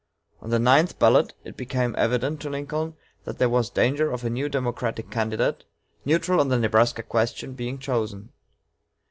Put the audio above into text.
On the ninth ballot it became evident to Lincoln that there was danger of a new Democratic candidate, neutral on the Nebraska question, being chosen.